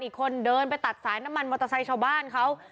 อีกคนเดินไปตัดสายน้ำมันมอเตอร์ไซค์ชาวบ้านเขา